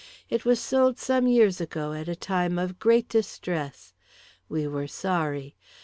It was sold some years ago at a time of great distress. We were sorry.